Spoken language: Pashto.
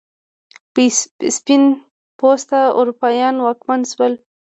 سپین پوسته اروپایان واکمن شول.